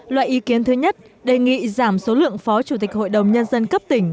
loại ý kiến thứ nhất đề nghị giảm số lượng phó chủ tịch hội đồng nhân dân cấp tỉnh